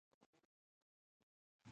د دوستی او دوښمنی حد معلومولی شوای.